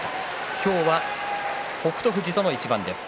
今日は北勝富士との一番です。